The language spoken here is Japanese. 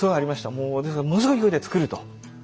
もうですからものすごい勢いで造ると。